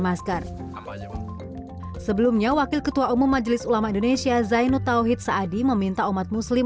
masker sebelumnya wakil ketua umum majelis ulama indonesia zainud tauhid saadi meminta umat muslim